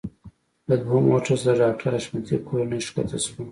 له دويم موټر څخه د ډاکټر حشمتي کورنۍ ښکته شوه.